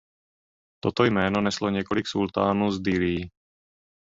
Toto jméno neslo několik sultánů z Dillí.